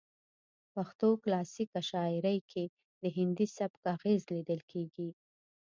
پښتو کلاسیکه شاعرۍ کې د هندي سبک اغیز لیدل کیږي